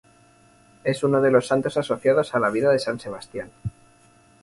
Es uno de los santos asociados a la vida de San Sebastián.